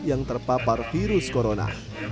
yang terpapar virus corona